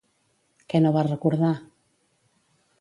Què no va recordar?